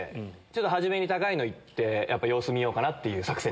初めに高いの行って様子見ようかなっていう作戦。